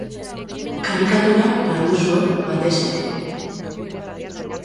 Karikatura landu zuen batez ere.